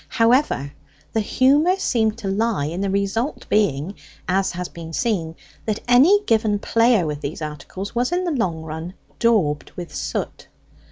However, the humour seemed to lie in the result being, as has been seen, that any given player with these articles was in the long run daubed with soot.